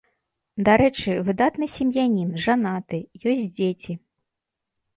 Дарэчы, выдатны сем'янін, жанаты, ёсць дзеці.